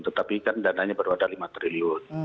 tetapi kan dananya baru ada lima triliun